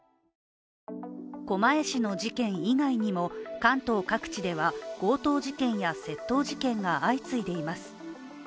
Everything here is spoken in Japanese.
狛江市の事件以外にも関東各地では強盗事件や窃盗事件が相次いでいます。